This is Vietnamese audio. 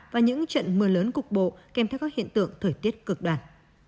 và những trận mưa lớn cục bộ kèm theo các hiện tượng thời tiết cực đoan